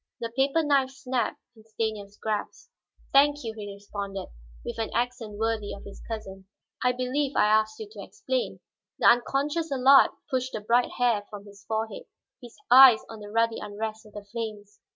The paper knife snapped in Stanief's grasp. "Thank you," he responded, with an accent worthy of his cousin. "I believe I asked you to explain." The unconscious Allard pushed the bright hair from his forehead, his eyes on the ruddy unrest of the flames.